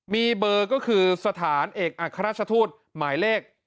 มีเบอร์ก็คือสถานเอกอัครราชทูตหมายเลข